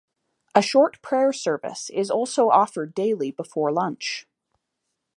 A short prayer service is also offered daily before lunch.